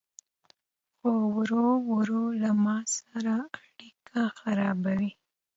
خو ورو ورو له ما سره اړيکي خرابوي